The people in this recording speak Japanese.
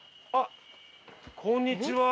こんにちは。